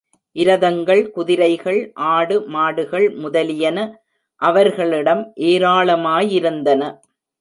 இரதங்கள், குதிரைகள், ஆடு, மாடுகள் முதலியன அவர்களிடம் ஏராளமாயிருந்தன.